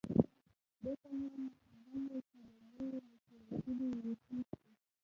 ده ته هم بویه چې د نورو له تېروتنو ورتېر شي.